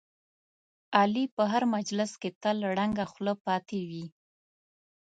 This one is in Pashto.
علي په هر مجلس کې تل ړنګه خوله پاتې وي.